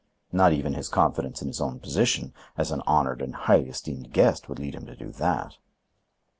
Not even his confidence in his own position, as an honored and highly esteemed guest, would lead him to do that."